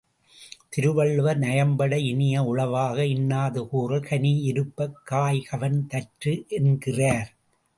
திருவள்ளுவர் நயம்பட, இனிய உளவாக இன்னாத கூறல் கன்னியிருப்பக் காய்கவர்ந் தற்று என்கிறார்.